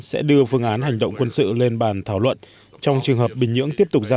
sẽ tiếp tục phương án hành động quân sự lên bàn thảo luận trong trường hợp bình nhưỡng tiếp tục gia